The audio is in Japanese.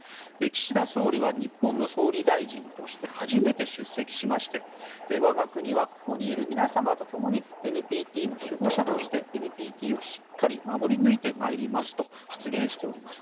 岸田総理は日本の総理大臣として初めて出席しまして我が国はここにいる皆様と共にＮＰＴの守護者としてＮＰＴをしっかり守り抜いてまいりますと発言しております。